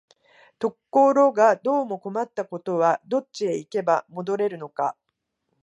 ところがどうも困ったことは、どっちへ行けば戻れるのか、